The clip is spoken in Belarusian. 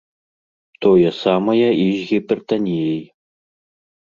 Тое самае і з гіпертаніяй.